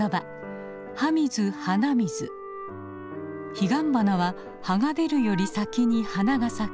ヒガンバナは葉が出るより先に花が咲く